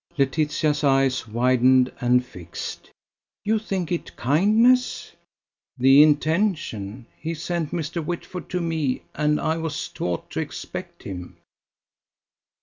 Laetitia's eyes widened and fixed: "You think it kindness?" "The intention. He sent Mr. Whitford to me, and I was taught to expect him."